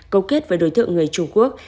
câu kết với đối tượng người trung quốc